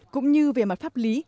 cũng như về mặt pháp lý